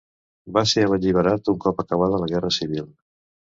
Va ser alliberat un cop acabada la Guerra Civil.